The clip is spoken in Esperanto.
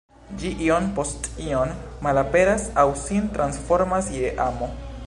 Ĝi iom post iom malaperas aŭ sin transformas je amo.